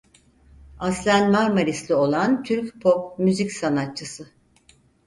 Aslen Marmarisli olan Türk pop müzik sanatçısı.